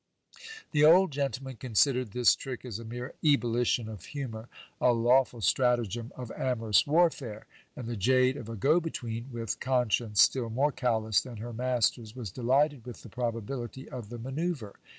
The old gentleman considered this trick as a mere ebullition of humour, a lawful stratagem of amorous warfare ; and the jade of a go between, with con science still more callous than her master's, was delighted with the probability of the manoeuvre.